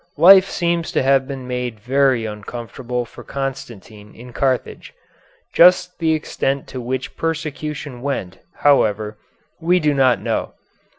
Life seems to have been made very uncomfortable for Constantine in Carthage. Just the extent to which persecution went, however, we do not know.